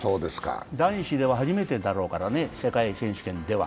男子では初めてだろうからね、世界選手権では。